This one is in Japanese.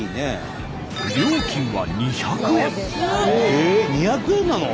えっ２００円なの？